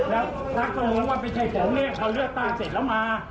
แล้วทักเข้าโมงว่าไม่ใช่ผมเนี่ยเขาเลือดตั้งเสร็จแล้วมา